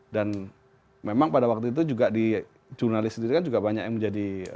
dan memang pada waktu itu juga di jurnalis sendiri kan juga banyak yang menjadi